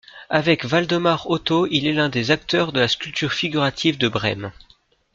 Avec Waldemar Otto, il est l'un des acteurs de la sculpture figurative de Brême.